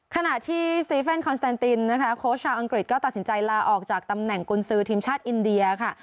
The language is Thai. ขณะที่สตีเฟนคอนสแนนตินนะคะโค้ชชาวอังกฤษก็ตัดสินใจลาออกจากตำแหน่งกุญสือทีมชาติอินเดียค่ะ